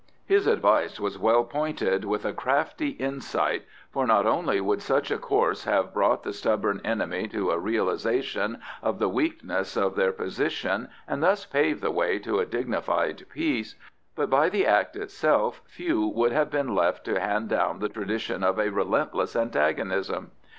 His advice was pointed with a crafty insight, for not only would such a course have brought the stubborn enemy to a realisation of the weakness of their position and thus paved the way to a dignified peace, but by the act itself few would have been left to hand down the tradition of a relentless antagonism.